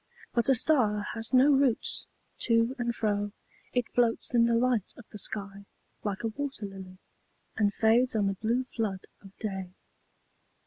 'But a star has no roots : to and fro It floats in the light of the sky, like a wat«r ]ily. And fades on the blue flood of day.